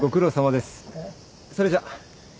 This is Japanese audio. それじゃ。